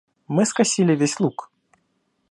Мы скосили весь луг.